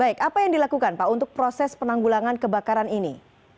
baik apa yang dilakukan pak untuk proses penanggulangan kebakaran ini